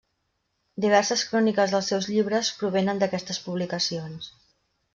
Diverses cròniques dels seus llibres provenen d'aquestes publicacions.